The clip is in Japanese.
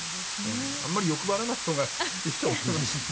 あまり欲張らないほうがいいと思います。